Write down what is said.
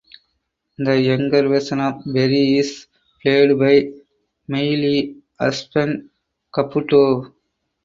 The younger version of Perry is played by Meili Aspen Caputo.